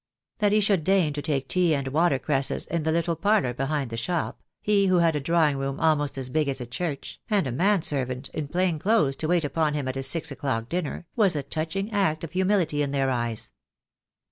That he should deign to take tea and water cresses in the little parlour behind the shop, he who had a drawing room almost as big as a church, and a man servant in plain clothes to wait upon him at his six o'clock dinner, was a touching act of humility in their eyes.